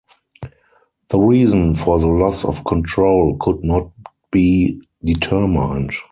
The reason for the loss of control could not be determined.